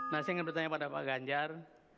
nah saya ingin bertanya pada pak ganjar